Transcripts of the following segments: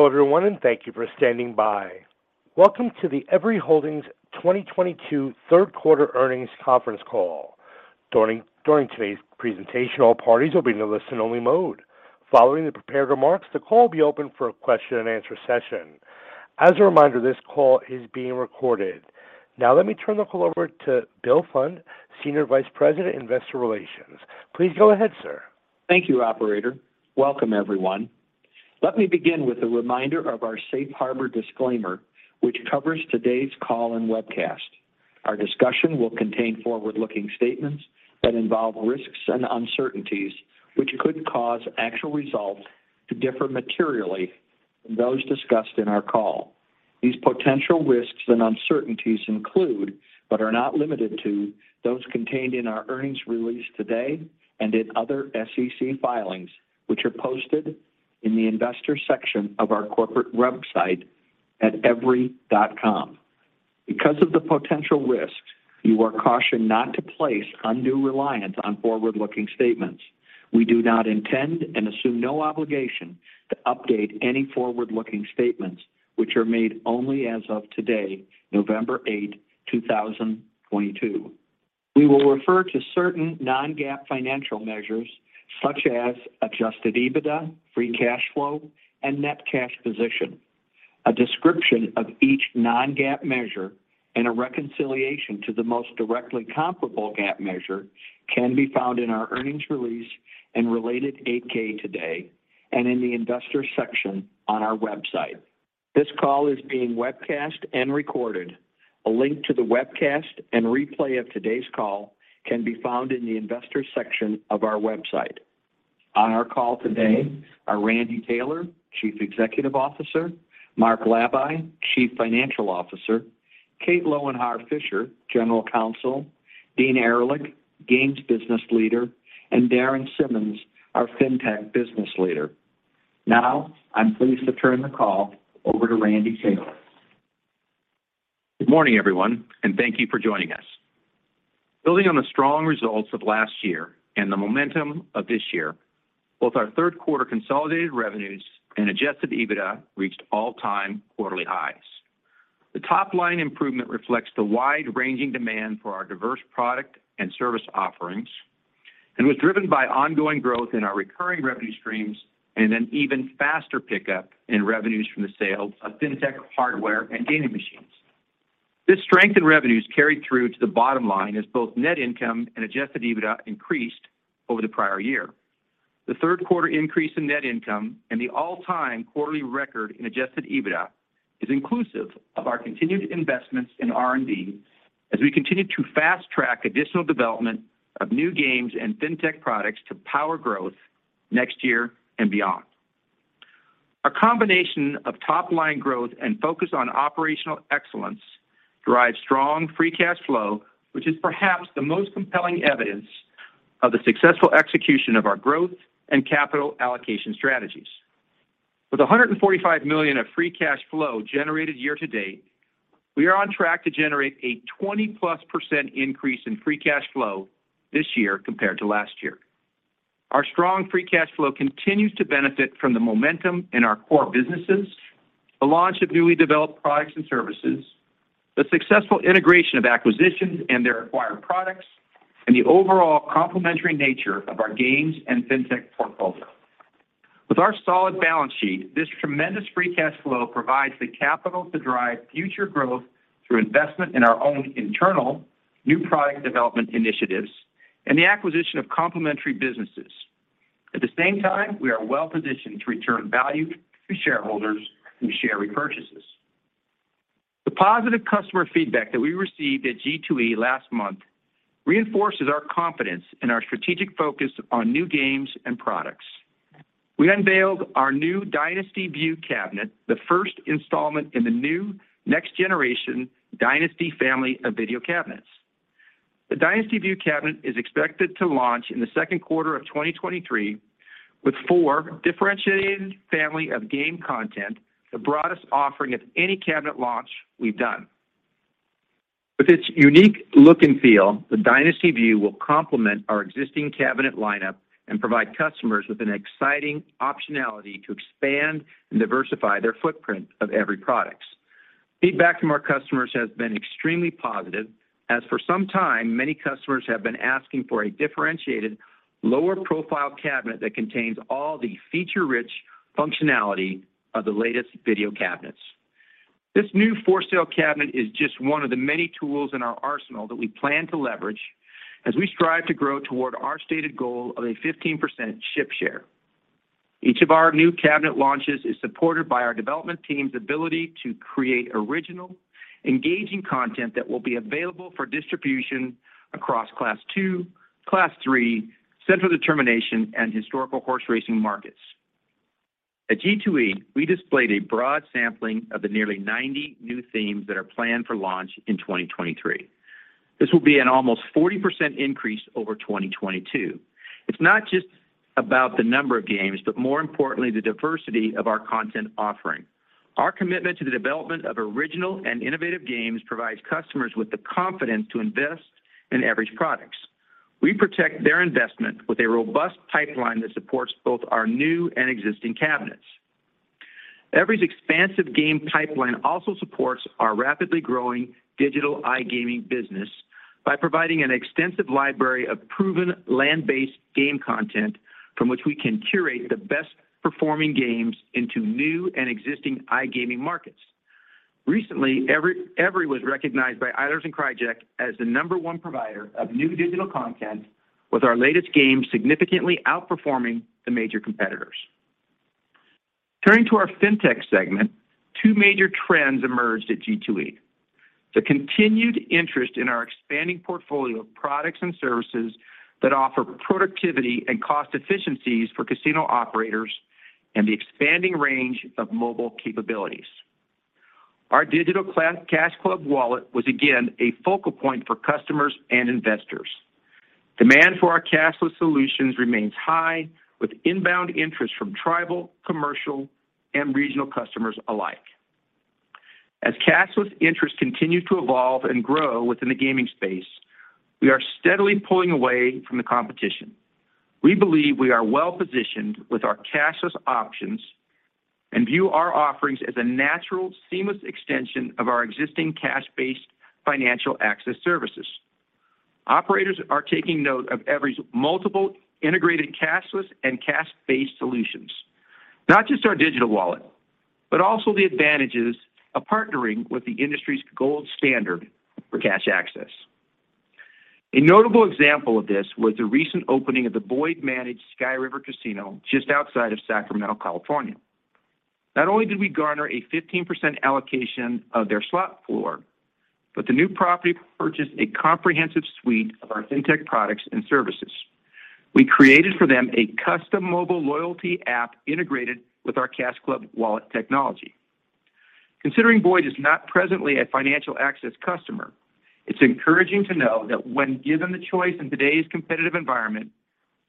Hello everyone, thank you for standing by. Welcome to the Everi Holdings 2022 third quarter earnings conference call. During today's presentation, all parties will be in a listen-only mode. Following the prepared remarks, the call will be open for a question and answer session. As a reminder, this call is being recorded. Now let me turn the call over to William Pfund, Senior Vice President, Investor Relations. Please go ahead, sir. Thank you, operator. Welcome, everyone. Let me begin with a reminder of our safe harbor disclaimer, which covers today's call and webcast. Our discussion will contain forward-looking statements that involve risks and uncertainties, which could cause actual results to differ materially from those discussed in our call. These potential risks and uncertainties include, but are not limited to, those contained in our earnings release today and in other SEC filings which are posted in the investor section of our corporate website at everi.com. Because of the potential risks, you are cautioned not to place undue reliance on forward-looking statements. We do not intend and assume no obligation to update any forward-looking statements, which are made only as of today, November 8, 2022. We will refer to certain non-GAAP financial measures, such as adjusted EBITDA, free cash flow, and net cash position. A description of each non-GAAP measure and a reconciliation to the most directly comparable GAAP measure can be found in our earnings release and related 8-K today, and in the investor section on our website. This call is being webcast and recorded. A link to the webcast and replay of today's call can be found in the investor section of our website. On our call today are Randy Taylor, Chief Executive Officer, Mark Labay, Chief Financial Officer, Kate Lowenhar-Fisher, General Counsel, Dean Ehrlich, Games Business Leader, and Darren Simmons, our FinTech Business Leader. I'm pleased to turn the call over to Randy Taylor. Good morning, everyone, thank you for joining us. Building on the strong results of last year and the momentum of this year, both our third quarter consolidated revenues and adjusted EBITDA reached all-time quarterly highs. The top-line improvement reflects the wide-ranging demand for our diverse product and service offerings and was driven by ongoing growth in our recurring revenue streams and an even faster pickup in revenues from the sale of FinTech hardware and gaming machines. This strength in revenue is carried through to the bottom line as both net income and adjusted EBITDA increased over the prior year. The third quarter increase in net income and the all-time quarterly record in adjusted EBITDA is inclusive of our continued investments in R&D as we continue to fast-track additional development of new games and FinTech products to power growth next year and beyond. A combination of top-line growth and focus on operational excellence drive strong free cash flow, which is perhaps the most compelling evidence of the successful execution of our growth and capital allocation strategies. With $145 million of free cash flow generated year to date, we are on track to generate a 20-plus% increase in free cash flow this year compared to last year. Our strong free cash flow continues to benefit from the momentum in our core businesses, the launch of newly developed products and services, the successful integration of acquisitions and their acquired products, and the overall complementary nature of our games and FinTech portfolio. With our solid balance sheet, this tremendous free cash flow provides the capital to drive future growth through investment in our own internal new product development initiatives and the acquisition of complementary businesses. At the same time, we are well-positioned to return value to shareholders through share repurchases. The positive customer feedback that we received at G2E last month reinforces our confidence in our strategic focus on new games and products. We unveiled our new Dynasty Vue Cabinet, the first installment in the new next generation Dynasty family of video cabinets. The Dynasty Vue Cabinet is expected to launch in the second quarter of 2023 with four differentiated family of game content, the broadest offering of any cabinet launch we've done. With its unique look and feel, the Dynasty Vue will complement our existing cabinet lineup and provide customers with an exciting optionality to expand and diversify their footprint of Everi products. Feedback from our customers has been extremely positive as for some time, many customers have been asking for a differentiated lower profile cabinet that contains all the feature-rich functionality of the latest video cabinets. This new for sale cabinet is just one of the many tools in our arsenal that we plan to leverage as we strive to grow toward our stated goal of a 15% ship share. Each of our new cabinet launches is supported by our development team's ability to create original, engaging content that will be available for distribution across Class II, Class III, central determination, and historical horse racing markets. At G2E, we displayed a broad sampling of the nearly 90 new themes that are planned for launch in 2023. This will be an almost 40% increase over 2022. It's not just about the number of games, but more importantly, the diversity of our content offering. Our commitment to the development of original and innovative games provides customers with the confidence to invest in Everi's products. We protect their investment with a robust pipeline that supports both our new and existing cabinets. Everi's expansive game pipeline also supports our rapidly growing digital iGaming business by providing an extensive library of proven land-based game content from which we can curate the best-performing games into new and existing iGaming markets. Recently, Everi was recognized by Eilers & Krejcik as the number one provider of new digital content, with our latest game significantly outperforming the major competitors. Turning to our FinTech segment, two major trends emerged at G2E: the continued interest in our expanding portfolio of products and services that offer productivity and cost efficiencies for casino operators and the expanding range of mobile capabilities. Our digital CashClub Wallet was again a focal point for customers and investors. Demand for our cashless solutions remains high, with inbound interest from tribal, commercial, and regional customers alike. As cashless interest continues to evolve and grow within the gaming space, we are steadily pulling away from the competition. We believe we are well-positioned with our cashless options and view our offerings as a natural, seamless extension of our existing cash-based financial access services. Operators are taking note of Everi's multiple integrated cashless and cash-based solutions. Not just our digital wallet, but also the advantages of partnering with the industry's gold standard for cash access. A notable example of this was the recent opening of the Boyd-managed Sky River Casino just outside of Sacramento, California. Not only did we garner a 15% allocation of their slot floor, the new property purchased a comprehensive suite of our FinTech products and services. We created for them a custom mobile loyalty app integrated with our CashClub Wallet technology. Considering Boyd is not presently a financial access customer, it's encouraging to know that when given the choice in today's competitive environment,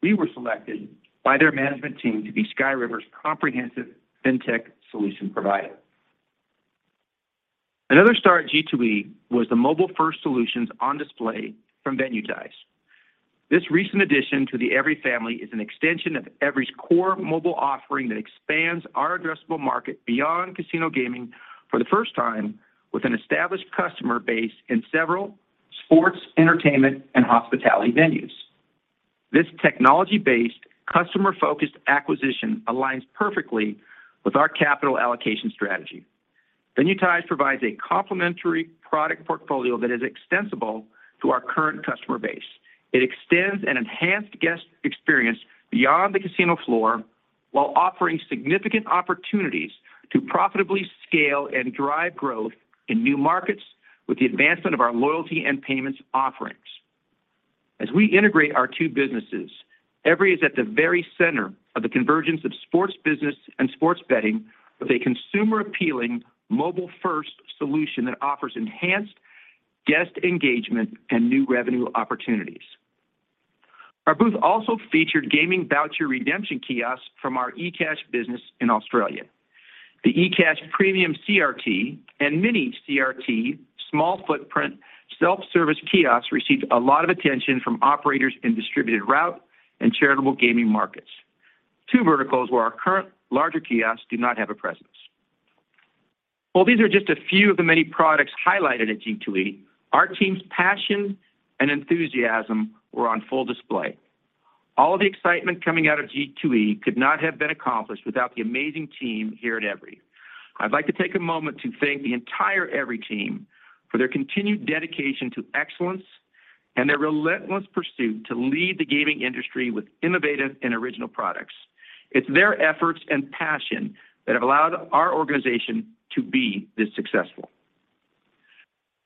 we were selected by their management team to be Sky River's comprehensive FinTech solution provider. Another star at G2E was the mobile-first solutions on display from Venuetize. This recent addition to the Everi family is an extension of Everi's core mobile offering that expands our addressable market beyond casino gaming for the first time with an established customer base in several sports, entertainment, and hospitality venues. This technology-based, customer-focused acquisition aligns perfectly with our capital allocation strategy. Venuetize provides a complementary product portfolio that is extensible to our current customer base. It extends an enhanced guest experience beyond the casino floor while offering significant opportunities to profitably scale and drive growth in new markets with the advancement of our loyalty and payments offerings. As we integrate our two businesses, Everi is at the very center of the convergence of sports business and sports betting with a consumer-appealing mobile-first solution that offers enhanced guest engagement and new revenue opportunities. Our booth also featured gaming voucher redemption kiosks from our ecash business in Australia. The ecash premium CRT and mini CRT small footprint self-service kiosks received a lot of attention from operators in distributed route and charitable gaming markets, two verticals where our current larger kiosks do not have a presence. While these are just a few of the many products highlighted at G2E, our team's passion and enthusiasm were on full display. All the excitement coming out of G2E could not have been accomplished without the amazing team here at Everi. I'd like to take a moment to thank the entire Everi team for their continued dedication to excellence and their relentless pursuit to lead the gaming industry with innovative and original products. It's their efforts and passion that have allowed our organization to be this successful.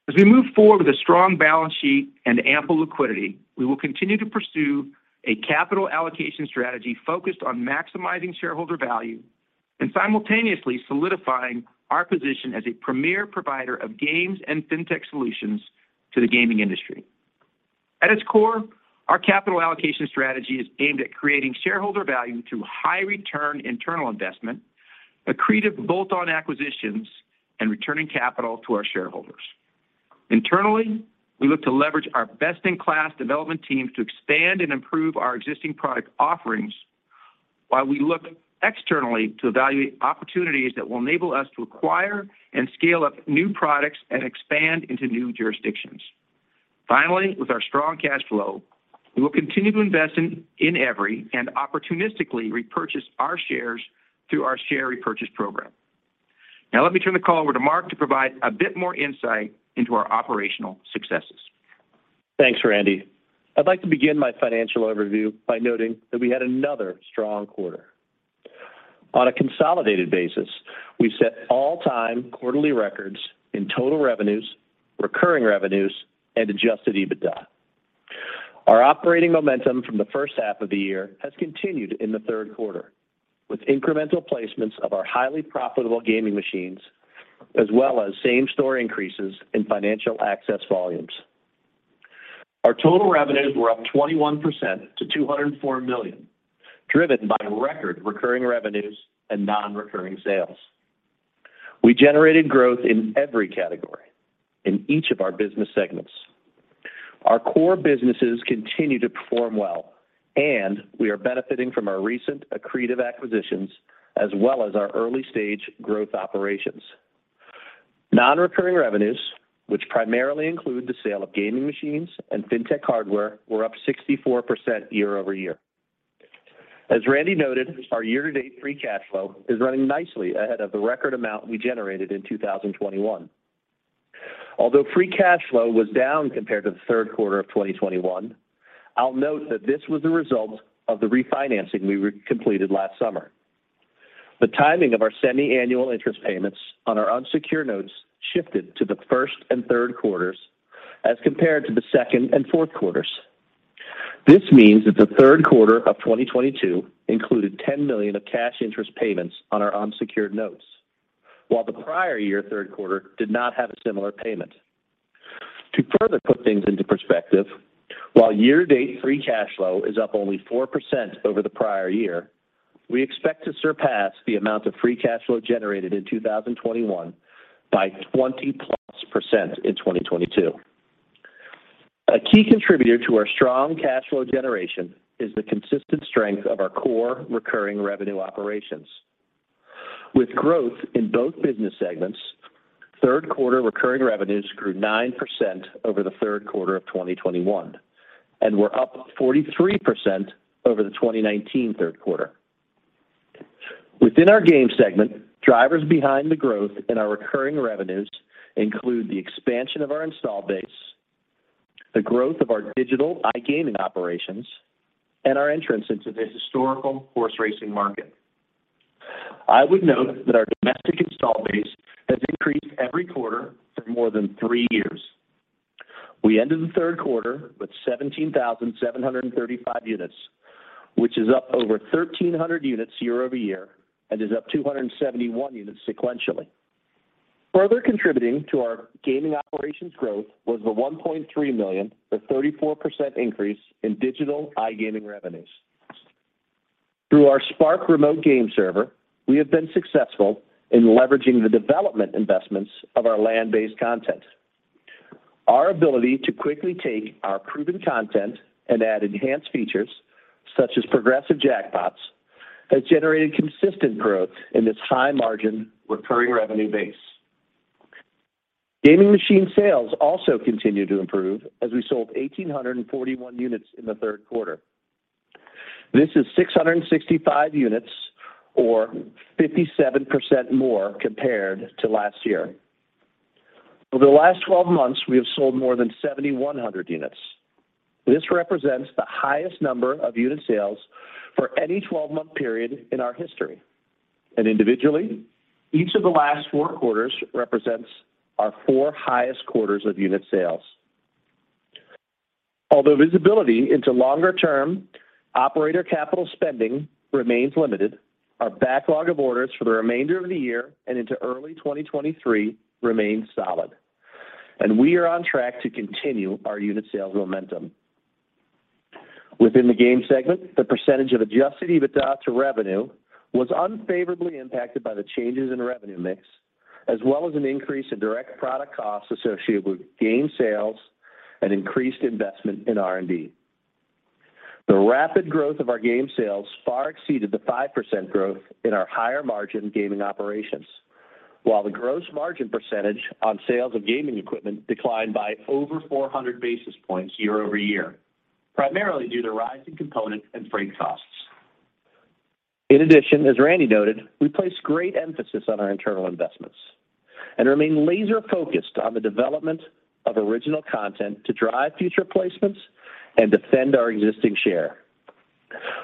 As we move forward with a strong balance sheet and ample liquidity, we will continue to pursue a capital allocation strategy focused on maximizing shareholder value and simultaneously solidifying our position as a premier provider of games and FinTech solutions to the gaming industry. At its core, our capital allocation strategy is aimed at creating shareholder value through high-return internal investment, accretive bolt-on acquisitions, and returning capital to our shareholders. Internally, we look to leverage our best-in-class development teams to expand and improve our existing product offerings while we look externally to evaluate opportunities that will enable us to acquire and scale up new products and expand into new jurisdictions. Finally, with our strong cash flow, we will continue to invest in Everi and opportunistically repurchase our shares through our share repurchase program. Now let me turn the call over to Mark to provide a bit more insight into our operational successes. Thanks, Randy. I'd like to begin my financial overview by noting that we had another strong quarter. On a consolidated basis, we set all-time quarterly records in total revenues, recurring revenues, and adjusted EBITDA. Our operating momentum from the first half of the year has continued in the third quarter, with incremental placements of our highly profitable gaming machines, as well as same-store increases in financial access volumes. Our total revenues were up 21% to $204 million, driven by record recurring revenues and non-recurring sales. We generated growth in every category, in each of our business segments. Our core businesses continue to perform well, and we are benefiting from our recent accretive acquisitions as well as our early-stage growth operations. Non-recurring revenues, which primarily include the sale of gaming machines and FinTech hardware, were up 64% year-over-year. As Randy noted, our year-to-date free cash flow is running nicely ahead of the record amount we generated in 2021. Although free cash flow was down compared to the third quarter of 2021, I'll note that this was a result of the refinancing we completed last summer. The timing of our semi-annual interest payments on our unsecured notes shifted to the first and third quarters as compared to the second and fourth quarters. This means that the third quarter of 2022 included $10 million of cash interest payments on our unsecured notes, while the prior year third quarter did not have a similar payment. To further put things into perspective, while year-to-date free cash flow is up only 4% over the prior year, we expect to surpass the amount of free cash flow generated in 2021 by 20-plus% in 2022. A key contributor to our strong cash flow generation is the consistent strength of our core recurring revenue operations. With growth in both business segments, third-quarter recurring revenues grew 9% over the third quarter of 2021, and were up 43% over the 2019 third quarter. Within our games segment, drivers behind the growth in our recurring revenues include the expansion of our installed base, the growth of our digital iGaming operations, and our entrance into the historical horse racing market. I would note that our domestic installed base has increased every quarter for more than three years. We ended the third quarter with 17,735 units, which is up over 1,300 units year-over-year, and is up 271 units sequentially. Further contributing to our gaming operations growth was the $1.3 million, a 34% increase in digital iGaming revenues. Through our Spark Remote Game Server, we have been successful in leveraging the development investments of our land-based content. Our ability to quickly take our proven content and add enhanced features, such as progressive jackpots, has generated consistent growth in this high-margin recurring revenue base. Gaming machine sales also continue to improve as we sold 1,841 units in the third quarter. This is 665 units or 57% more compared to last year. Over the last 12 months, we have sold more than 7,100 units. This represents the highest number of unit sales for any 12-month period in our history. Individually, each of the last four quarters represents our four highest quarters of unit sales. Although visibility into longer-term operator capital spending remains limited, our backlog of orders for the remainder of the year and into early 2023 remains solid, and we are on track to continue our unit sales momentum. Within the Games segment, the percentage of adjusted EBITDA to revenue was unfavorably impacted by the changes in revenue mix, as well as an increase in direct product costs associated with game sales and increased investment in R&D. The rapid growth of our game sales far exceeded the 5% growth in our higher-margin gaming operations, while the gross margin percentage on sales of gaming equipment declined by over 400 basis points year-over-year, primarily due to rising component and freight costs. In addition, as Randy noted, we place great emphasis on our internal investments and remain laser-focused on the development of original content to drive future placements and defend our existing share.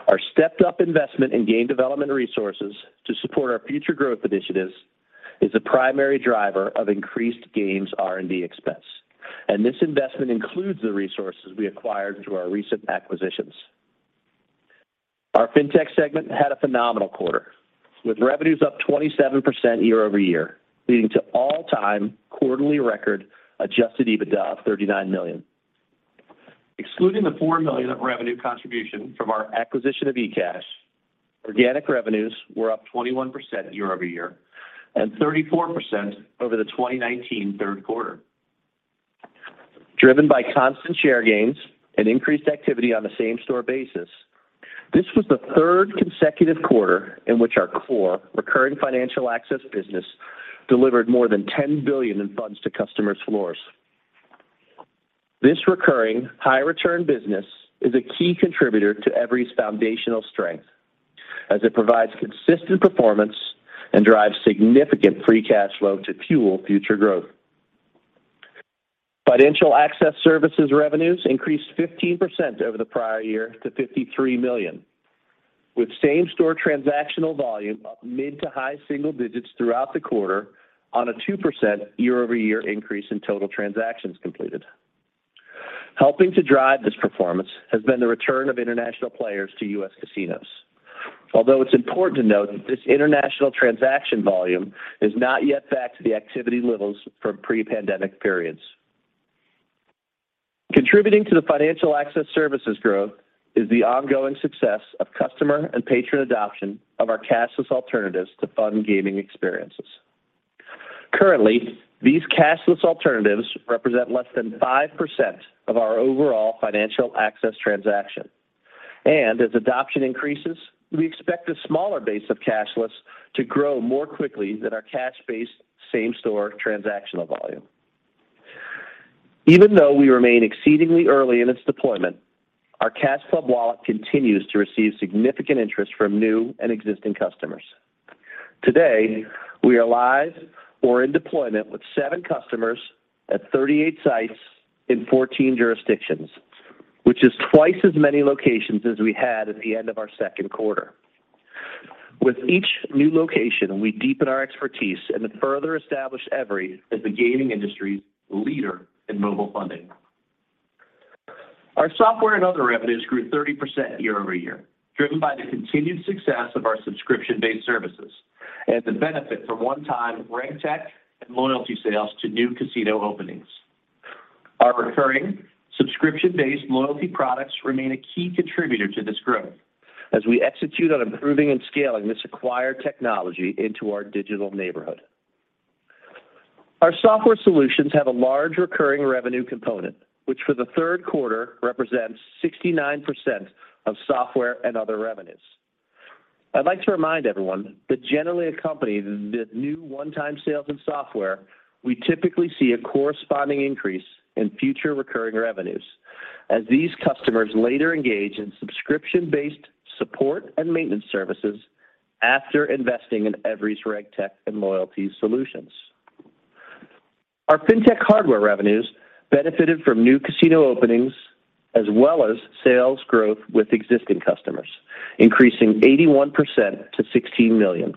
Our stepped-up investment in game development resources to support our future growth initiatives is a primary driver of increased Games R&D expense. This investment includes the resources we acquired through our recent acquisitions. Our FinTech segment had a phenomenal quarter, with revenues up 27% year-over-year, leading to all-time quarterly record adjusted EBITDA of $39 million. Excluding the $4 million of revenue contribution from our acquisition of ecash, organic revenues were up 21% year-over-year and 34% over the 2019 third quarter. Driven by constant share gains and increased activity on a same-store basis, this was the third consecutive quarter in which our core recurring financial access business delivered more than $10 billion in funds to customers' floors. This recurring high-return business is a key contributor to Everi's foundational strength as it provides consistent performance and drives significant free cash flow to fuel future growth. Financial access services revenues increased 15% over the prior year to $53 million, with same-store transactional volume up mid to high single digits throughout the quarter on a 2% year-over-year increase in total transactions completed. Helping to drive this performance has been the return of international players to U.S. casinos. Although it's important to note that this international transaction volume is not yet back to the activity levels from pre-pandemic periods. Contributing to the financial access services growth is the ongoing success of customer and patron adoption of our cashless alternatives to fund gaming experiences. Currently, these cashless alternatives represent less than 5% of our overall financial access transaction. As adoption increases, we expect a smaller base of cashless to grow more quickly than our cash-based same-store transactional volume. Even though we remain exceedingly early in its deployment, our CashClub Wallet continues to receive significant interest from new and existing customers. Today, we are live or in deployment with seven customers at 38 sites in 14 jurisdictions, which is twice as many locations as we had at the end of our second quarter. With each new location, we deepen our expertise and further establish Everi as the gaming industry's leader in mobile funding. Our software and other revenues grew 30% year-over-year, driven by the continued success of our subscription-based services and the benefit from one-time RegTech and loyalty sales to new casino openings. Our recurring subscription-based loyalty products remain a key contributor to this growth as we execute on improving and scaling this acquired technology into our digital neighborhood. Our software solutions have a large recurring revenue component, which for the third quarter represents 69% of software and other revenues. I'd like to remind everyone that generally accompany the new one-time sales in software, we typically see a corresponding increase in future recurring revenues as these customers later engage in subscription-based support and maintenance services after investing in Everi's RegTech and loyalty solutions. Our FinTech hardware revenues benefited from new casino openings as well as sales growth with existing customers, increasing 81% to $16 million.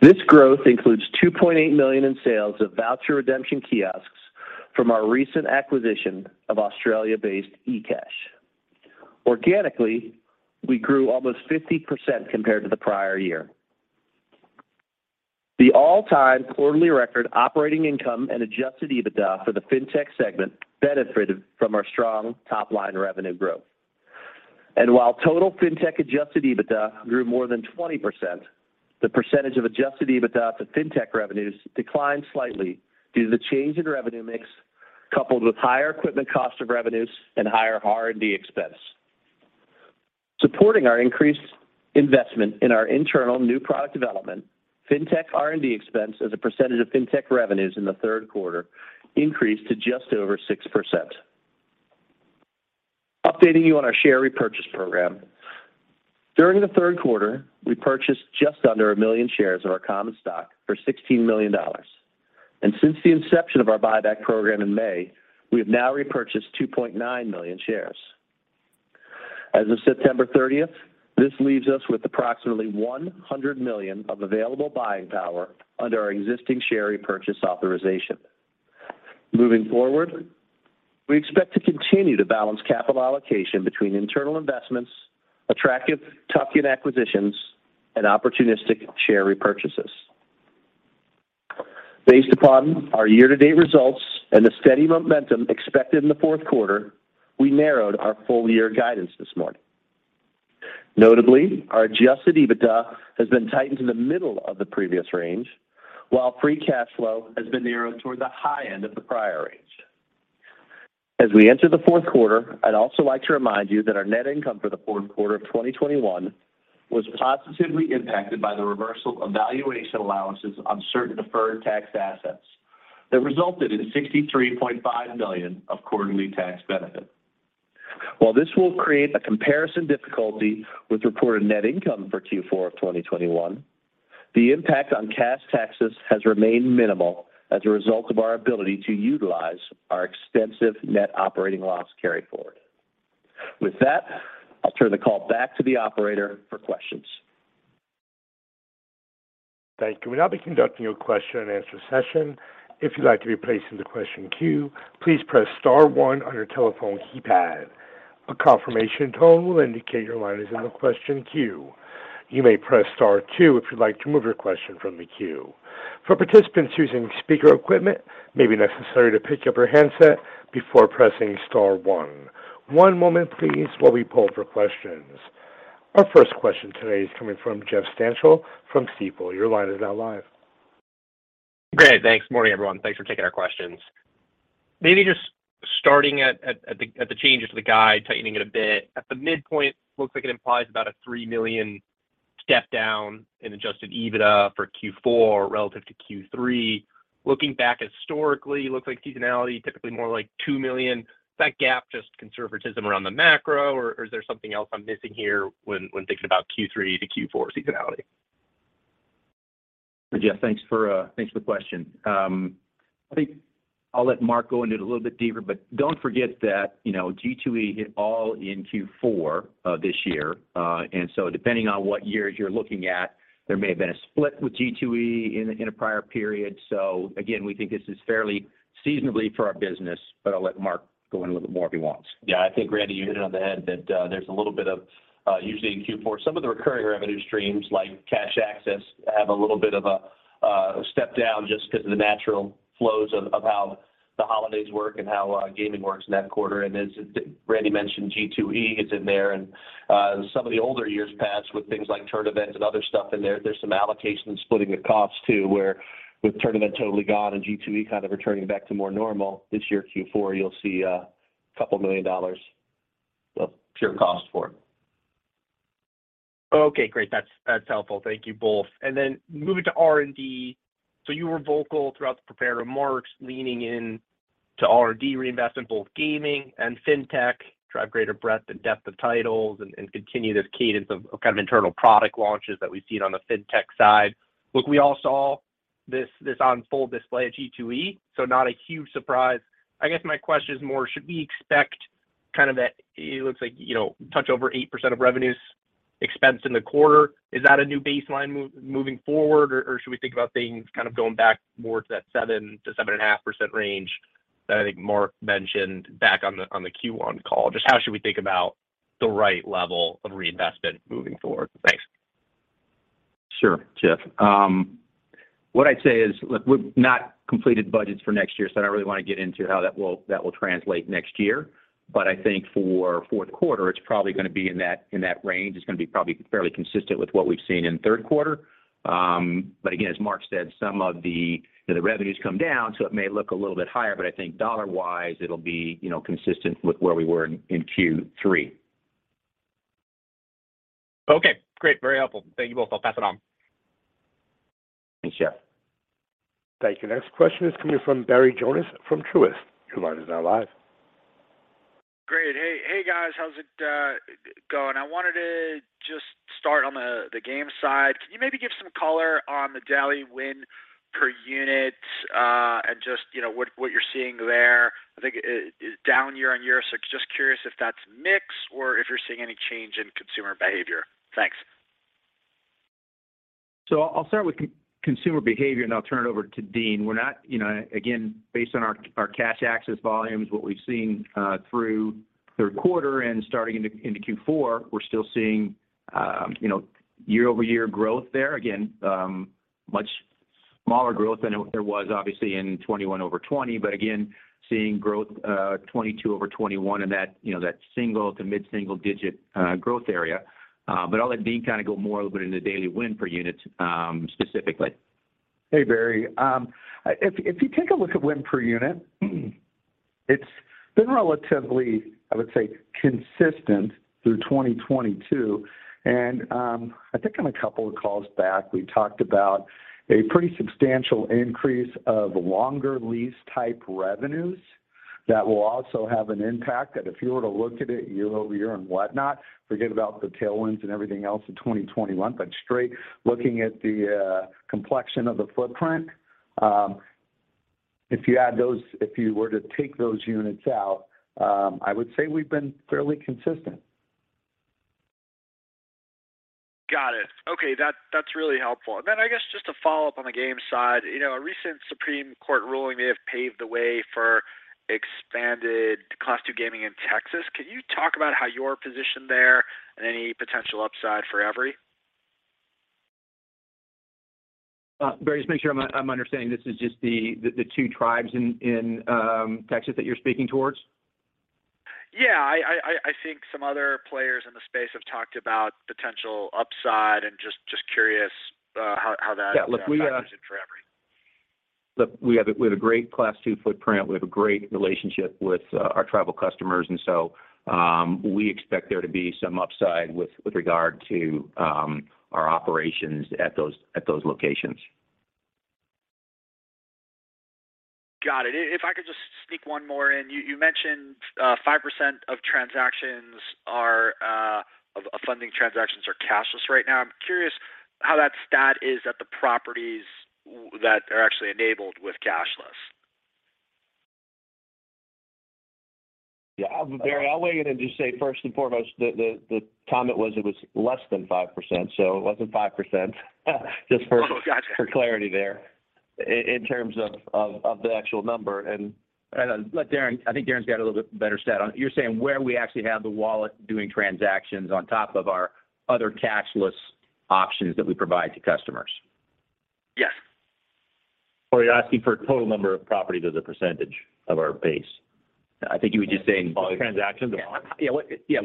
This growth includes $2.8 million in sales of voucher redemption kiosks from our recent acquisition of Australia-based ecash. Organically, we grew almost 50% compared to the prior year. The all-time quarterly record operating income and adjusted EBITDA for the FinTech segment benefited from our strong top-line revenue growth. While total FinTech adjusted EBITDA grew more than 20%, the percentage of adjusted EBITDA to FinTech revenues declined slightly due to the change in revenue mix, coupled with higher equipment cost of revenues and higher R&D expense. Supporting our increased investment in our internal new product development, FinTech R&D expense as a percentage of FinTech revenues in the third quarter increased to just over 6%. Updating you on our share repurchase program. During the third quarter, we purchased just under 1 million shares of our common stock for $16 million. Since the inception of our buyback program in May, we have now repurchased 2.9 million shares. As of September 30th, this leaves us with approximately $100 million of available buying power under our existing share repurchase authorization. Moving forward, we expect to continue to balance capital allocation between internal investments, attractive tuck-in acquisitions, and opportunistic share repurchases. Based upon our year-to-date results and the steady momentum expected in the fourth quarter, we narrowed our full-year guidance this morning. Notably, our adjusted EBITDA has been tightened to the middle of the previous range, while free cash flow has been narrowed toward the high end of the prior range. As we enter the fourth quarter, I'd also like to remind you that our net income for the fourth quarter of 2021 was positively impacted by the reversal of valuation allowances on certain deferred tax assets that resulted in $63.5 million of quarterly tax benefit. While this will create a comparison difficulty with reported net income for Q4 of 2021, the impact on cash taxes has remained minimal as a result of our ability to utilize our extensive net operating loss carryforward. With that, I'll turn the call back to the operator for questions. Thank you. We'll now be conducting a question-and-answer session. If you'd like to be placed into question queue, please press star one on your telephone keypad. A confirmation tone will indicate your line is in the question queue. You may press star two if you'd like to remove your question from the queue. For participants using speaker equipment, it may be necessary to pick up your handset before pressing star one. One moment please while we poll for questions. Our first question today is coming from Jeff Stantial from Stifel. Your line is now live. Great. Thanks. Morning, everyone. Thanks for taking our questions. Maybe just starting at the changes to the guide, tightening it a bit. At the midpoint, looks like it implies about a $3 million step down in adjusted EBITDA for Q4 relative to Q3. Looking back historically, looks like seasonality typically more like $2 million. Is that gap just conservatism around the macro, or is there something else I'm missing here when thinking about Q3 to Q4 seasonality? Jeff, thanks for the question. I think I'll let Mark go into it a little bit deeper, but don't forget that G2E hit all in Q4 of this year. Depending on what years you're looking at, there may have been a split with G2E in a prior period. Again, we think this is fairly seasonably for our business, but I'll let Mark go in a little bit more if he wants. Yeah, I think, Randy, you hit it on the head that there's a little bit of, usually in Q4, some of the recurring revenue streams like cash access have a little bit of a A step down just because of the natural flows of how the holidays work and how gaming works in that quarter. As Randy mentioned, G2E is in there, and some of the older years past with things like TournEvent and other stuff in there. There's some allocations splitting the costs, too, where with TournEvent totally gone and G2E kind of returning back to more normal this year, Q4, you'll see a couple million dollars of pure cost for it. Okay, great. That's helpful. Thank you both. Then moving to R&D. You were vocal throughout the prepared remarks, leaning into R&D reinvestment, both gaming and FinTech, drive greater breadth and depth of titles, and continue this cadence of internal product launches that we've seen on the FinTech side. Look, we all saw this on full display at G2E, so not a huge surprise. I guess my question is more, should we expect that it looks like, touch over 8% of revenues expense in the quarter. Is that a new baseline moving forward? Or should we think about things kind of going back more to that 7%-7.5% range that I think Mark mentioned back on the Q1 call? Just how should we think about the right level of reinvestment moving forward? Thanks. Sure, Jeff. What I'd say is, look, we've not completed budgets for next year, so I don't really want to get into how that will translate next year. I think for fourth quarter, it's probably going to be in that range. It's going to be probably fairly consistent with what we've seen in third quarter. Again, as Mark said, some of the revenues come down, so it may look a little bit higher, but I think dollar-wise, it'll be consistent with where we were in Q3. Okay, great. Very helpful. Thank you both. I'll pass it on. Thanks, Jeff. Thank you. Next question is coming from Barry Jonas from Truist. Your line is now live. Great. Hey, guys. How's it going? I wanted to just start on the game side. Can you maybe give some color on the daily win per unit, and just what you're seeing there? I think it's down year-over-year, just curious if that's mix or if you're seeing any change in consumer behavior. Thanks. I'll start with consumer behavior, and I'll turn it over to Dean. Again, based on our cash access volumes, what we've seen through third quarter and starting into Q4, we're still seeing year-over-year growth there. Again, much smaller growth than there was obviously in 2021 over 2020. Again, seeing growth 2022 over 2021 in that single- to mid-single-digit growth area. I'll let Dean kind of go more a little bit into the daily win per unit specifically. Hey, Barry. If you take a look at win per unit, it's been relatively, I would say, consistent through 2022. I think on a couple of calls back, we talked about a pretty substantial increase of longer lease type revenues that will also have an impact that if you were to look at it year-over-year and whatnot, forget about the tailwinds and everything else in 2021. Straight looking at the complexion of the footprint, if you were to take those units out, I would say we've been fairly consistent. Got it. Okay, that's really helpful. Then I guess just to follow up on the game side. A recent Supreme Court ruling may have paved the way for expanded Class II gaming in Texas. Can you talk about how you're positioned there and any potential upside for Everi? Barry, just make sure I'm understanding. This is just the two tribes in Texas that you're speaking towards? Yeah, I think some other players in the space have talked about potential upside and just curious how that. Yeah. Look. factors in for Everi. Look, we have a great Class II footprint. We have a great relationship with our tribal customers. We expect there to be some upside with regard to our operations at those locations. Got it. If I could just sneak one more in. You mentioned 5% of funding transactions are cashless right now. I'm curious how that stat is at the properties that are actually enabled with cashless. Yeah. Barry, I'll weigh in and just say first and foremost, the comment was, it was less than 5%, so it wasn't 5%. Oh, gotcha clarity there in terms of the actual number. I think Darren's got a little bit better stat on it. You're saying where we actually have the wallet doing transactions on top of our other cashless options that we provide to customers? Yes. You're asking for total number of properties as a percentage of our base? All transactions. Yeah.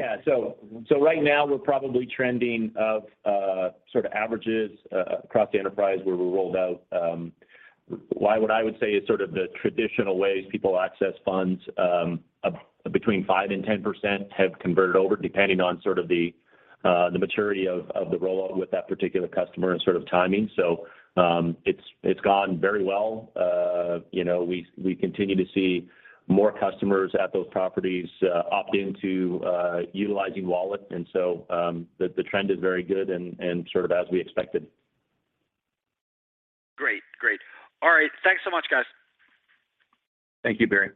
Right now, we're probably trending of sort of averages across the enterprise where we rolled out what I would say is sort of the traditional ways people access funds. Between 5% and 10% have converted over, depending on sort of the maturity of the rollout with that particular customer and sort of timing. It's gone very well. We continue to see more customers at those properties opt into utilizing wallet, the trend is very good and sort of as we expected. Great. All right. Thanks so much, guys. Thank you, Barry.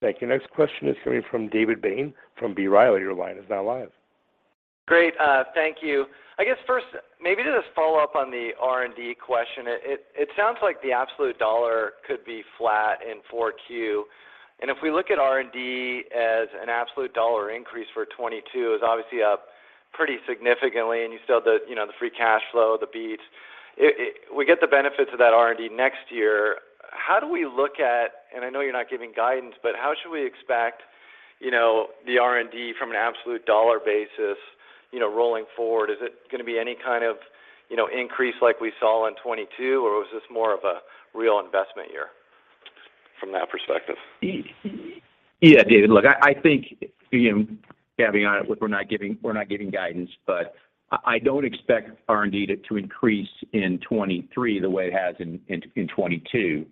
Thank you. Next question is coming from David Bain from B. Riley. Your line is now live. Great. Thank you. I guess first, maybe just follow up on the R&D question. It sounds like the absolute dollar could be flat in 4Q. If we look at R&D as an absolute dollar increase for 2022, it was obviously up pretty significantly. You still have the free cash flow, the beat. We get the benefits of that R&D next year. How do we look at, and I know you're not giving guidance, but how should we expect the R&D from an absolute dollar basis rolling forward? Is it going to be any kind of increase like we saw in 2022, or was this more of a real investment year from that perspective? Yeah, David, look, I think, caveat, look, we're not giving guidance, but I don't expect R&D to increase in 2023 the way it has in 2022.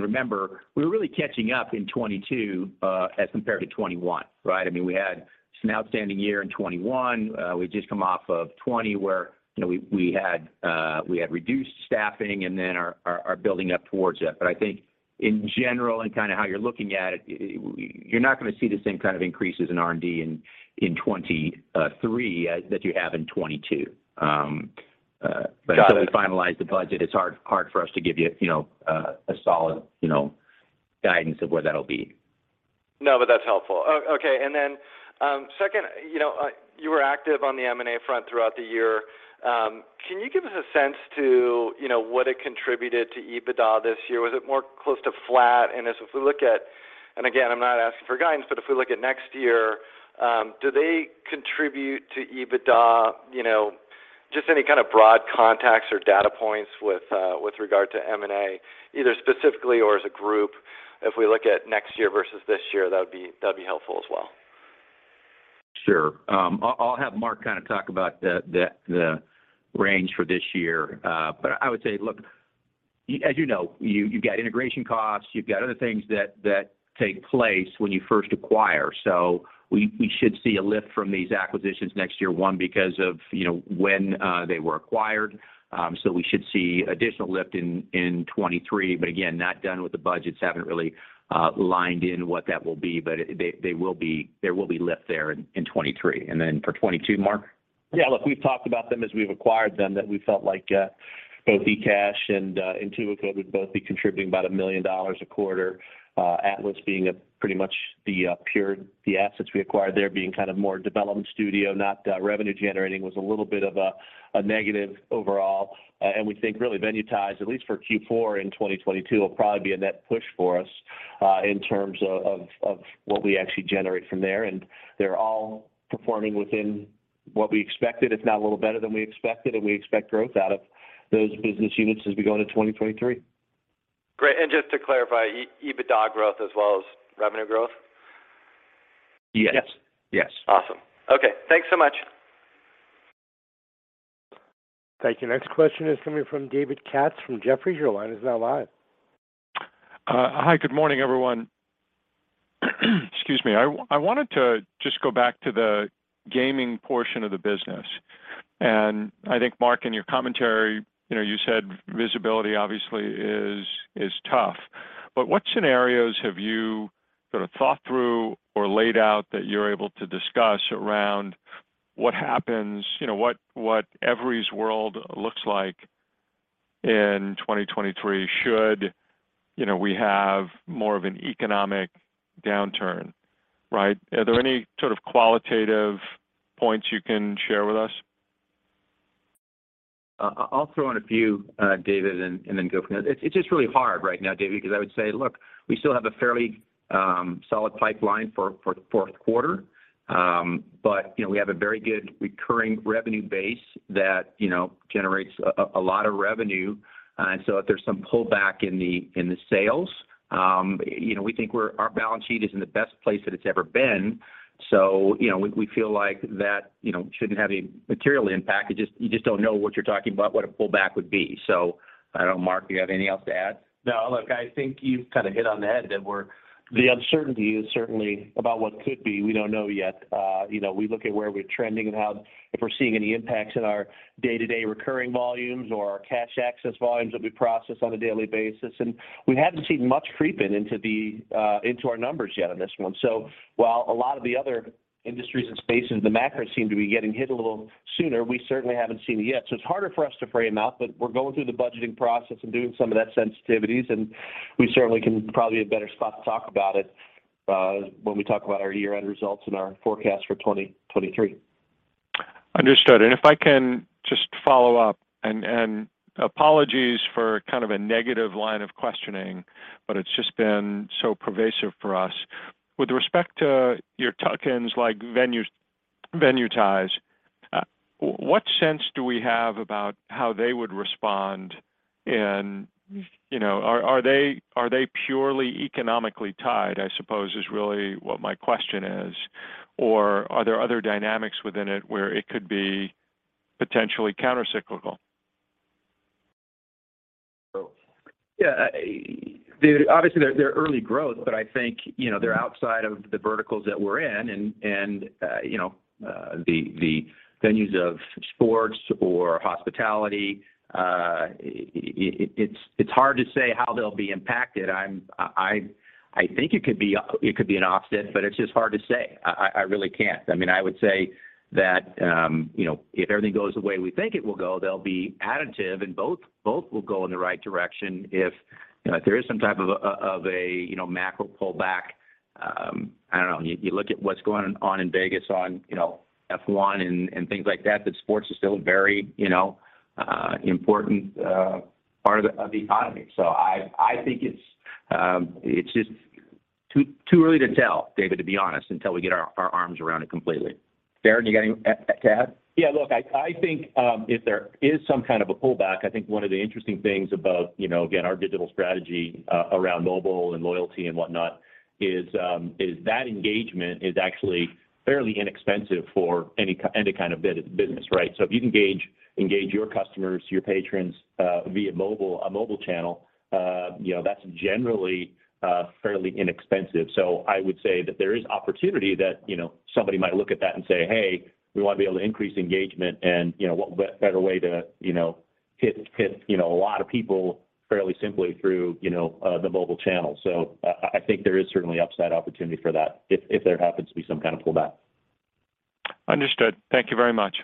Remember, we were really catching up in 2022, as compared to 2021, right? We had an outstanding year in 2021. We'd just come off of 2020 where we had reduced staffing and then are building up towards that. I think in general and how you're looking at it, you're not going to see the same kind of increases in R&D in 2023 as that you have in 2022. Got it. Until we finalize the budget, it's hard for us to give you a solid guidance of where that'll be. That's helpful. Second, you were active on the M&A front throughout the year. Can you give us a sense to what it contributed to EBITDA this year? Was it more close to flat? If we look at, and again, I'm not asking for guidance, if we look at next year, do they contribute to EBITDA? Just any kind of broad contacts or data points with regard to M&A, either specifically or as a group, if we look at next year versus this year, that'd be helpful as well. Sure. I'll have Mark talk about the range for this year. I would say, look, as you know, you've got integration costs, you've got other things that take place when you first acquire. We should see a lift from these acquisitions next year, one, because of when they were acquired. We should see additional lift in 2023, again, not done with the budgets, haven't really lined in what that will be, but there will be lift there in 2023. Then for 2022, Mark? Look, we've talked about them as we've acquired them, that we felt like both ecash and Intuicode would both be contributing about $1 million a quarter. Atlas being pretty much the assets we acquired there being more development studio, not revenue generating, was a little bit of a negative overall. We think really Venuetize, at least for Q4 in 2022, will probably be a net push for us, in terms of what we actually generate from there. They're all performing within what we expected, if not a little better than we expected, and we expect growth out of those business units as we go into 2023. Great. Just to clarify, EBITDA growth as well as revenue growth? Yes. Yes. Awesome. Okay. Thanks so much. Thank you. Next question is coming from David Katz from Jefferies. Your line is now live. Hi. Good morning, everyone. Excuse me. I wanted to just go back to the gaming portion of the business. I think Mark, in your commentary, you said visibility obviously is tough. What scenarios have you sort of thought through or laid out that you're able to discuss around what happens, what Everi's world looks like in 2023, should we have more of an economic downturn, right? Are there any sort of qualitative points you can share with us? I'll throw in a few, David, then go from there. It's just really hard right now, David, because I would say, look, we still have a fairly solid pipeline for fourth quarter. We have a very good recurring revenue base that generates a lot of revenue. If there's some pullback in the sales, we think our balance sheet is in the best place that it's ever been, so we feel like that shouldn't have a material impact. You just don't know what you're talking about, what a pullback would be. I don't know, Mark, do you have anything else to add? Look, I think you've kind of hit on the head that the uncertainty is certainly about what could be. We don't know yet. We look at where we're trending and if we're seeing any impacts in our day-to-day recurring volumes or our cash access volumes that we process on a daily basis. We haven't seen much creep into our numbers yet on this one. While a lot of the other industries and spaces, the macro seem to be getting hit a little sooner, we certainly haven't seen it yet. It's harder for us to figure them out, but we're going through the budgeting process and doing some of that sensitivities, and we certainly can probably be in a better spot to talk about it when we talk about our year-end results and our forecast for 2023. Understood. If I can just follow up, and apologies for kind of a negative line of questioning, it's just been so pervasive for us. With respect to your tuck-ins like Venuetize, what sense do we have about how they would respond? Are they purely economically tied, I suppose, is really what my question is. Are there other dynamics within it where it could be potentially countercyclical? Obviously, they're early growth, I think they're outside of the verticals that we're in and the venues of sports or hospitality. It's hard to say how they'll be impacted. I think it could be an offset, it's just hard to say. I really can't. I would say that if everything goes the way we think it will go, they'll be additive and both will go in the right direction if there is some type of a macro pullback I don't know. You look at what's going on in Vegas on F1 and things like that sports is still very important part of the economy. I think it's just too early to tell, David, to be honest, until we get our arms around it completely. Darren, do you got anything to add? Yeah. Look, I think if there is some kind of a pullback, I think one of the interesting things about, again, our digital strategy around mobile and loyalty and whatnot is that engagement is actually fairly inexpensive for any kind of business, right? If you can engage your customers, your patrons via a mobile channel, that's generally fairly inexpensive. I would say that there is opportunity that somebody might look at that and say, "Hey, we want to be able to increase engagement," and what better way to hit a lot of people fairly simply through the mobile channel. I think there is certainly upside opportunity for that if there happens to be some kind of pullback. Understood. Thank you very much.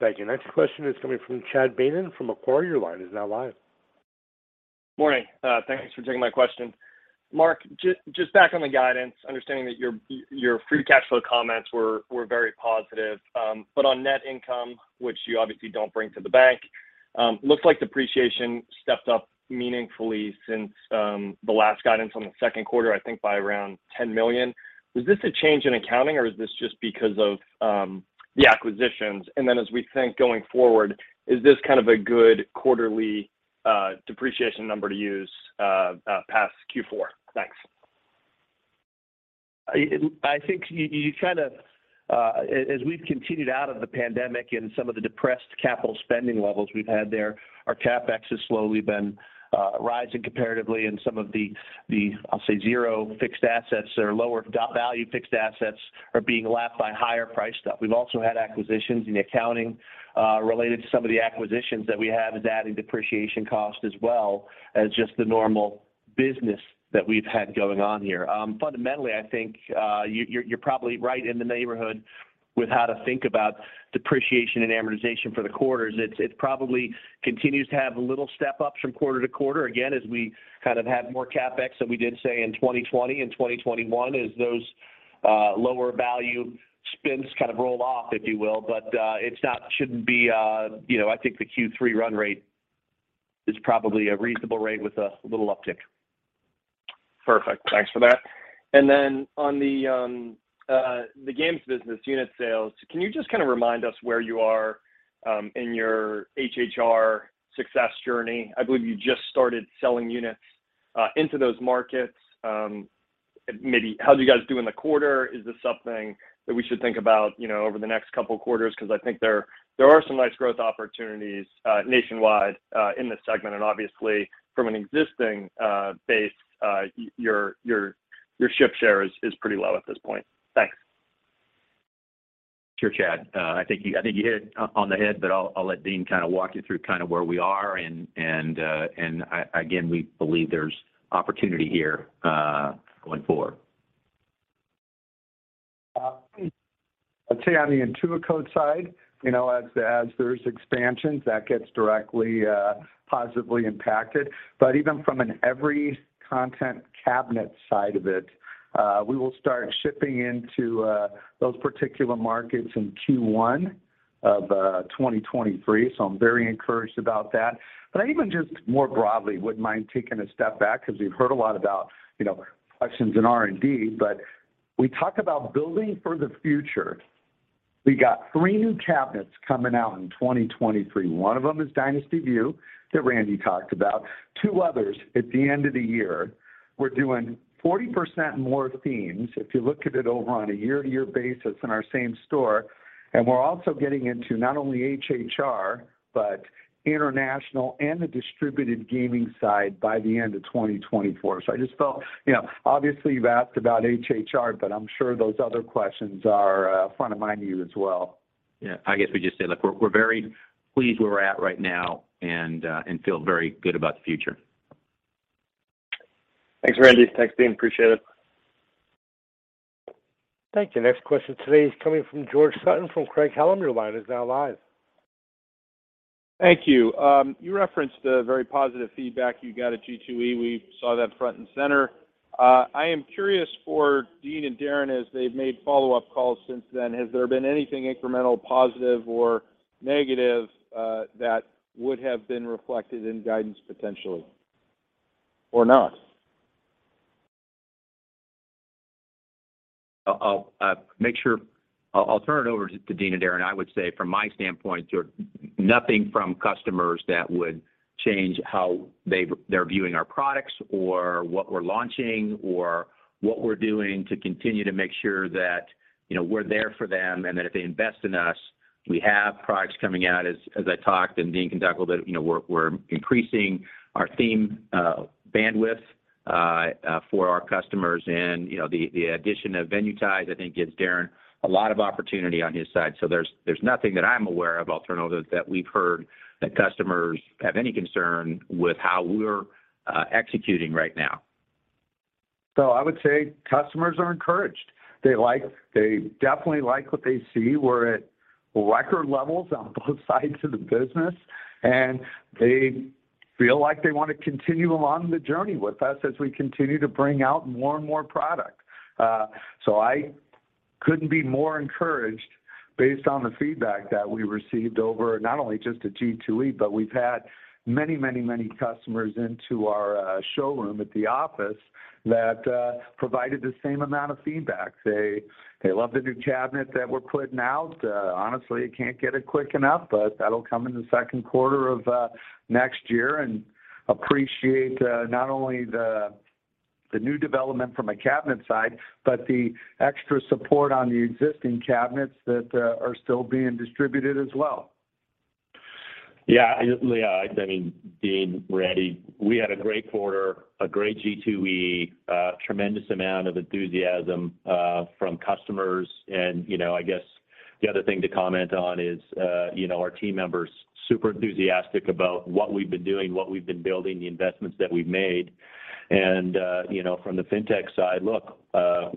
Thank you. Next question is coming from Chad Beynon from Macquarie. Your line is now live. Morning. Thanks for taking my question. Mark, just back on the guidance, understanding that your free cash flow comments were very positive. On net income, which you obviously don't bring to the bank, looks like depreciation stepped up meaningfully since the last guidance on the second quarter, I think by around $10 million. Is this a change in accounting or is this just because of the acquisitions? As we think going forward, is this kind of a good quarterly depreciation number to use past Q4? Thanks. I think as we've continued out of the pandemic and some of the depressed capital spending levels we've had there, our CapEx has slowly been rising comparatively and some of the, I'll say, zero fixed assets or lower value fixed assets are being lapped by higher priced stuff. We've also had acquisitions in the accounting related to some of the acquisitions that we have is adding depreciation cost as well as just the normal business that we've had going on here. Fundamentally, I think, you're probably right in the neighborhood with how to think about depreciation and amortization for the quarters. It probably continues to have little step-ups from quarter to quarter, again, as we kind of have more CapEx than we did, say, in 2020 and 2021 as those lower value spins kind of roll off, if you will. It shouldn't be I think the Q3 run rate is probably a reasonable rate with a little uptick. Perfect. Thanks for that. Then on the games business unit sales, can you just kind of remind us where you are in your HHR success journey? I believe you just started selling units into those markets. Maybe how did you guys do in the quarter? Is this something that we should think about over the next couple quarters? Because I think there are some nice growth opportunities nationwide in this segment, and obviously from an existing base, your ship share is pretty low at this point. Thanks. Sure, Chad. I think you hit it on the head, I'll let Dean kind of walk you through kind of where we are, again, we believe there's opportunity here going forward. I'd say on the Intuicode side, as there's expansions, that gets directly positively impacted. Even from an Everi content cabinet side of it, we will start shipping into those particular markets in Q1 of 2023. I'm very encouraged about that. I even just more broadly wouldn't mind taking a step back because we've heard a lot about questions in R&D, but we talk about building for the future. We got three new cabinets coming out in 2023. One of them is Dynasty Vue that Randy talked about. Two others at the end of the year. We're doing 40% more themes if you look at it over on a year-to-year basis in our same store. We're also getting into not only HHR, but international and the distributed gaming side by the end of 2024. I just felt, obviously you've asked about HHR, but I'm sure those other questions are front of mind to you as well. Yeah, I guess we just say, look, we're very pleased where we're at right now and feel very good about the future. Thanks, Randy. Thanks, Dean. Appreciate it. Thank you. Next question today is coming from George Sutton from Craig-Hallum. Your line is now live. Thank you. You referenced the very positive feedback you got at G2E. We saw that front and center. I am curious for Dean and Darren, as they've made follow-up calls since then, has there been anything incremental, positive or negative, that would have been reflected in guidance potentially or not? I'll turn it over to Dean and Darren. I would say from my standpoint, George, nothing from customers that would change how they're viewing our products or what we're launching or what we're doing to continue to make sure that we're there for them and that if they invest in us, we have products coming out, as I talked, and Dean can talk a little bit, we're increasing our theme bandwidth for our customers. The addition of Venuetize, I think, gives Darren a lot of opportunity on his side. There's nothing that I'm aware of, I'll turn it over, that we've heard that customers have any concern with how we're executing right now. I would say customers are encouraged. They definitely like what they see. We're at record levels on both sides of the business, and they feel like they want to continue along the journey with us as we continue to bring out more and more product. I couldn't be more encouraged based on the feedback that we received over not only just at G2E, but we've had many customers into our showroom at the office that provided the same amount of feedback. They love the new cabinet that we're putting out. Honestly, you can't get it quick enough, but that'll come in the second quarter of next year and appreciate not only the new development from a cabinet side, but the extra support on the existing cabinets that are still being distributed as well. I mean, Dean, Randy, we had a great quarter, a great G2E, a tremendous amount of enthusiasm from customers. I guess the other thing to comment on is our team members, super enthusiastic about what we've been doing, what we've been building, the investments that we've made. From the FinTech side, look,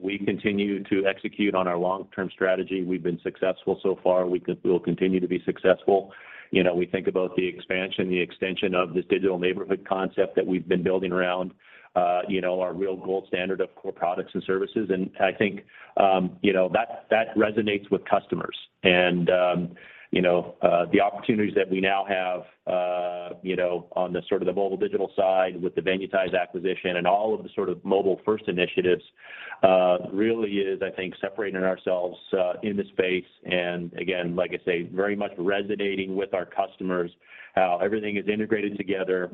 we continue to execute on our long-term strategy. We've been successful so far. We will continue to be successful. We think about the expansion, the extension of this digital neighborhood concept that we've been building around our real gold standard of core products and services. I think that resonates with customers. The opportunities that we now have on the mobile digital side with the Venuetize acquisition and all of the mobile-first initiatives really is, I think, separating ourselves in the space and again, like I say, very much resonating with our customers how everything is integrated together.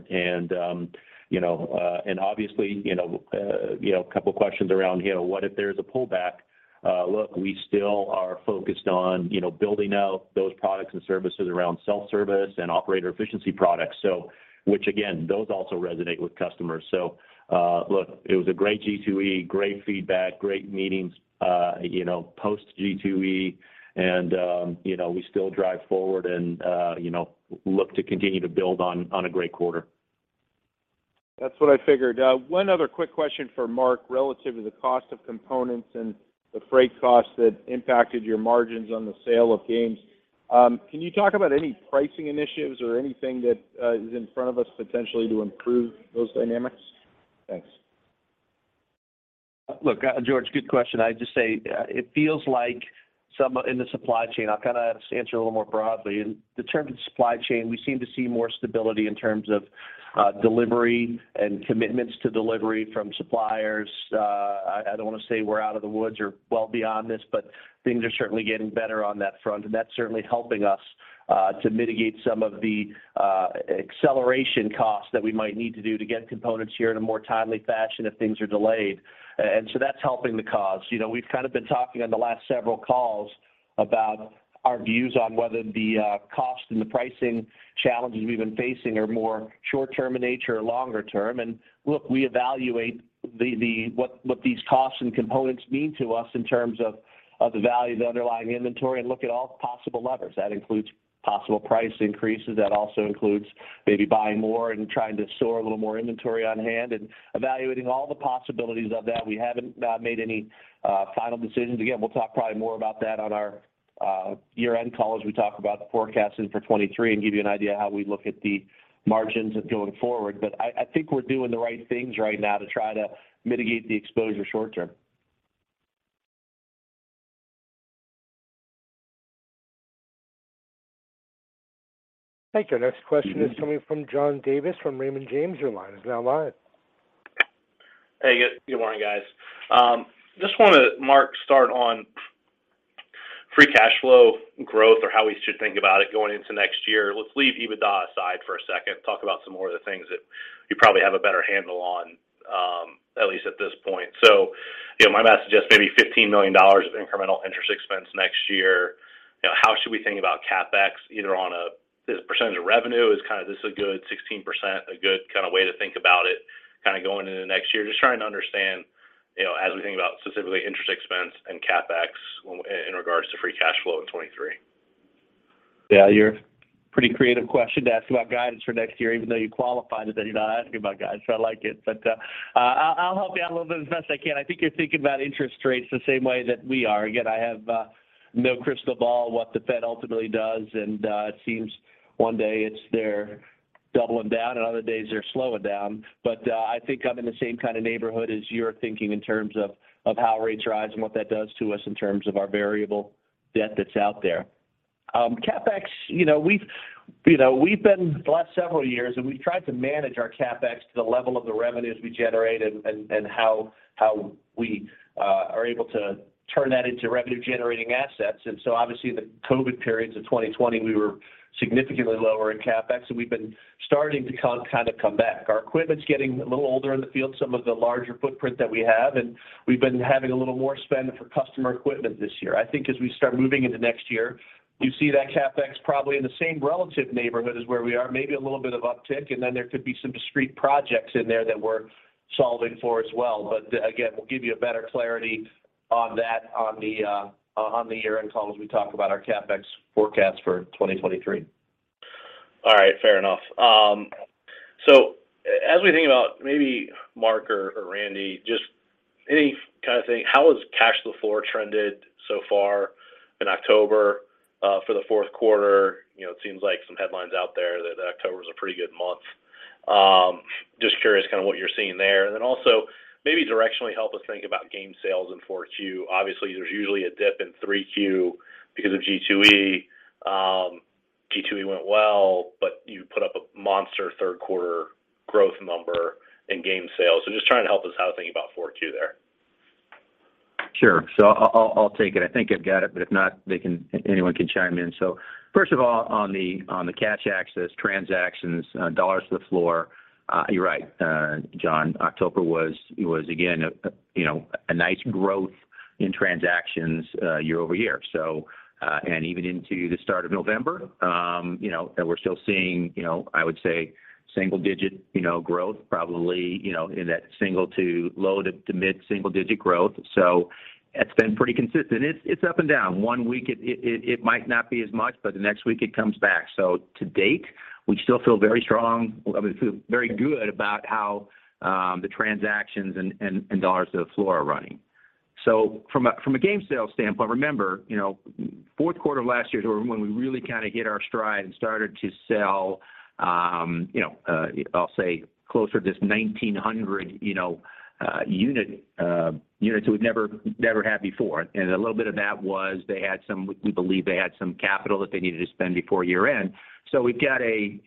Obviously, a couple of questions around, what if there's a pullback? Look, we still are focused on building out those products and services around self-service and operator efficiency products. Which again, those also resonate with customers. Look, it was a great G2E, great feedback, great meetings post G2E, we still drive forward and look to continue to build on a great quarter. That's what I figured. One other quick question for Mark relative to the cost of components and the freight costs that impacted your margins on the sale of games. Can you talk about any pricing initiatives or anything that is in front of us potentially to improve those dynamics? Thanks. Look, George, good question. I'd just say it feels like some in the supply chain. I'll kind of answer a little more broadly. In the term of supply chain, we seem to see more stability in terms of delivery and commitments to delivery from suppliers. I don't want to say we're out of the woods or well beyond this, things are certainly getting better on that front, and that's certainly helping us to mitigate some of the acceleration costs that we might need to do to get components here in a more timely fashion if things are delayed. That's helping the cause. We've kind of been talking on the last several calls about our views on whether the cost and the pricing challenges we've been facing are more short-term in nature or longer term. we evaluate what these costs and components mean to us in terms of the value of the underlying inventory and look at all possible levers. That includes possible price increases. That also includes maybe buying more and trying to store a little more inventory on hand and evaluating all the possibilities of that. We haven't made any final decisions. Again, we'll talk probably more about that on our year-end call as we talk about the forecasting for 2023 and give you an idea of how we look at the margins going forward. I think we're doing the right things right now to try to mitigate the exposure short term. Thank you. Next question is coming from John Davis from Raymond James. Your line is now live. Hey, good morning, guys. Just want to, Mark, start on free cash flow growth or how we should think about it going into next year. Let's leave EBITDA aside for a second, talk about some more of the things that you probably have a better handle on, at least at this point. My math suggests maybe $15 million of incremental interest expense next year. How should we think about CapEx, either on a percentage of revenue? Is this a good 16% a good way to think about it going into the next year? Just trying to understand, as we think about specifically interest expense and CapEx in regards to free cash flow in 2023. Yeah. You're pretty creative question to ask about guidance for next year, even though you qualified it that you're not asking about guidance, so I like it. I'll help you out a little bit as best I can. I think you're thinking about interest rates the same way that we are. Again, I have no crystal ball what the Fed ultimately does, and it seems one day it's they're doubling down, and other days they're slowing down. I think I'm in the same kind of neighborhood as you're thinking in terms of how rates rise and what that does to us in terms of our variable debt that's out there. CapEx, we've been the last several years, and we've tried to manage our CapEx to the level of the revenues we generate and how we are able to turn that into revenue-generating assets. Obviously the COVID periods of 2020, we were significantly lower in CapEx, and we've been starting to kind of come back. Our equipment's getting a little older in the field, some of the larger footprint that we have, and we've been having a little more spend for customer equipment this year. I think as we start moving into next year, you see that CapEx probably in the same relative neighborhood as where we are, maybe a little bit of uptick, and then there could be some discrete projects in there that we're solving for as well. Again, we'll give you a better clarity on that on the year-end call, as we talk about our CapEx forecast for 2023. All right, fair enough. As we think about, maybe Mark or Randy, just any kind of thing, how has cash to the floor trended so far in October for the fourth quarter? It seems like some headlines out there that October's a pretty good month. Just curious kind of what you're seeing there. Then also maybe directionally help us think about game sales in 4Q. Obviously, there's usually a dip in 3Q because of G2E. G2E went well, but you put up a monster third quarter growth number in game sales. Just trying to help us out thinking about 4Q there. Sure. I'll take it. I think I've got it, but if not, anyone can chime in. First of all, on the cash access transactions, dollars to the floor, you're right, John, October was, again, a nice growth in transactions year-over-year. Even into the start of November, that we're still seeing, I would say, single-digit growth probably, in that single to low to mid single-digit growth. It's been pretty consistent. It's up and down. One week it might not be as much, but the next week it comes back. To date, we still feel very good about how the transactions and dollars to the floor are running. From a game sales standpoint, remember, fourth quarter last year is when we really kind of hit our stride and started to sell, I'll say closer to this 1,900 units that we've never had before. A little bit of that was we believe they had some capital that they needed to spend before year-end. We've got a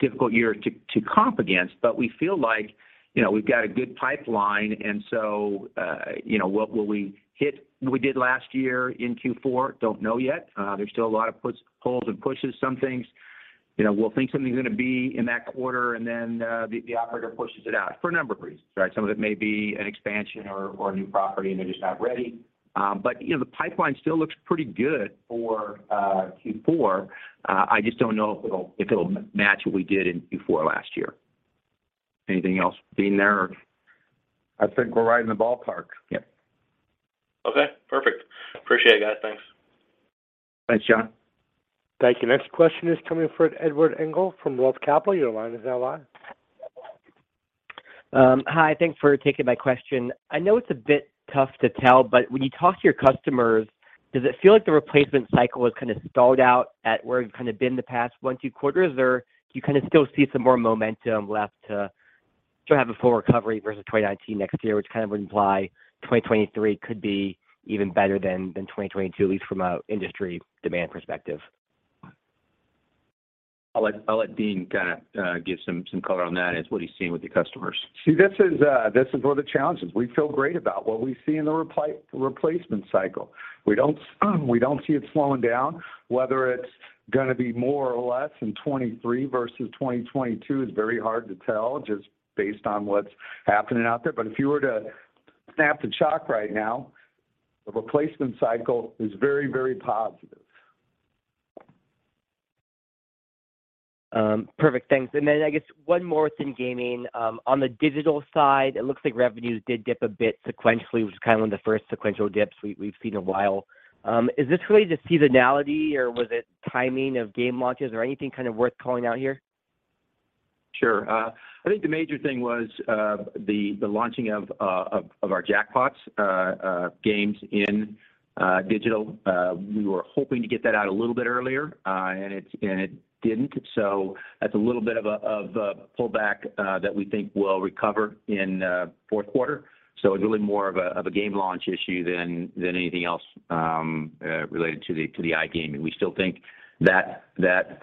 difficult year to comp against, but we feel like we've got a good pipeline, and will we hit what we did last year in Q4? Don't know yet. There's still a lot of pulls and pushes some things. We'll think something's going to be in that quarter, and then the operator pushes it out for a number of reasons, right? Some of it may be an expansion or a new property, and they're just not ready. The pipeline still looks pretty good for Q4. I just don't know if it'll match what we did in Q4 last year. Anything else, Dean, there? I think we're right in the ballpark. Yeah. Okay, perfect. Appreciate it, guys. Thanks. Thanks, John. Thank you. Next question is coming from Edward Engel from Wolfe Research. Your line is now live. Hi, thanks for taking my question. I know it's a bit tough to tell, but when you talk to your customers, does it feel like the replacement cycle has kind of stalled out at where you've kind of been the past one, two quarters, or do you kind of still see some more momentum left to still have a full recovery versus 2019 next year, which kind of would imply 2023 could be even better than 2022, at least from an industry demand perspective? I'll let Dean kind of give some color on that, as what he's seeing with the customers. See, this is one of the challenges. We feel great about what we see in the replacement cycle. We don't see it slowing down. Whether it's going to be more or less in 2023 versus 2022 is very hard to tell just based on what's happening out there. If you were to snap the chalk right now, the replacement cycle is very positive. Perfect. Thanks. I guess one more thing, gaming. On the digital side, it looks like revenues did dip a bit sequentially, which is kind of one of the first sequential dips we've seen in a while. Is this really just seasonality, or was it timing of game launches or anything kind of worth calling out here? Sure. I think the major thing was the launching of our jackpots games in digital. We were hoping to get that out a little bit earlier, it didn't. That's a little bit of a pullback that we think will recover in fourth quarter. It's really more of a game launch issue than anything else related to the iGaming. We still think that that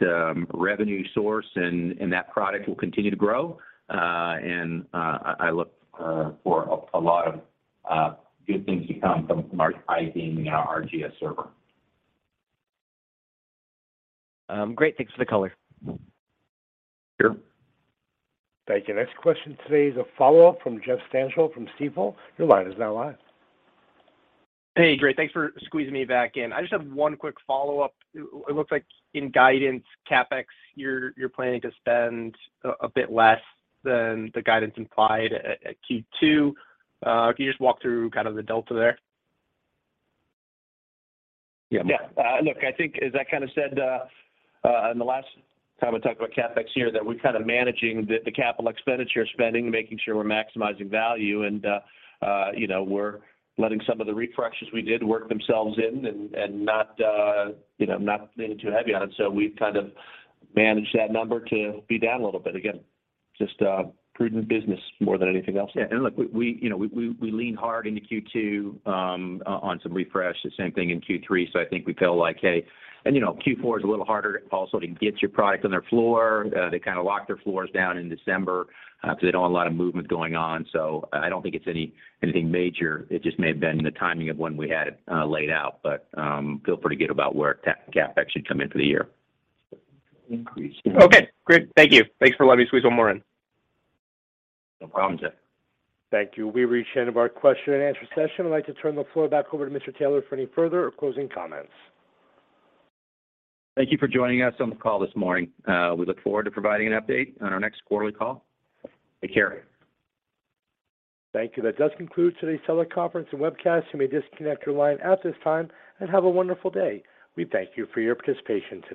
revenue source and that product will continue to grow. I look for a lot of good things to come from our iGaming and our RGS server. Great. Thanks for the color. Sure. Thank you. Next question today is a follow-up from Jeff Stantial from Stifel. Your line is now live. Hey, great. Thanks for squeezing me back in. I just have one quick follow-up. It looks like in guidance CapEx, you're planning to spend a bit less than the guidance implied at Q2. Can you just walk through kind of the delta there? Mark. Yeah. Look, I think as I kind of said in the last time I talked about CapEx here, that we're kind of managing the capital expenditure spending, making sure we're maximizing value. We're letting some of the refreshes we did work themselves in and not leaning too heavy on it. We've kind of managed that number to be down a little bit. Again, just prudent business more than anything else. Yeah, look, we lean hard into Q2 on some refresh, the same thing in Q3. I think we feel like, hey Q4 is a little harder also to get your product on their floor. They kind of lock their floors down in December because they don't want a lot of movement going on. I don't think it's anything major. It just may have been the timing of when we had it laid out. Feel pretty good about where CapEx should come in for the year. Increase. Okay, great. Thank you. Thanks for letting me squeeze one more in. No problem, Jeff. Thank you. We've reached the end of our question and answer session. I'd like to turn the floor back over to Mr. Taylor for any further or closing comments. Thank you for joining us on the call this morning. We look forward to providing an update on our next quarterly call. Take care. Thank you. That does conclude today's teleconference and webcast. You may disconnect your line at this time, and have a wonderful day. We thank you for your participation today.